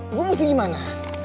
saya mau pergi ke mana